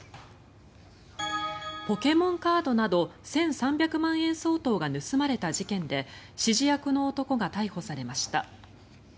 ポケモンカードなど１３００万円相当が盗まれた事件で指示役の男が逮捕されました。